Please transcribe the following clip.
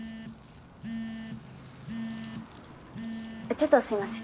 ちょっとすいません。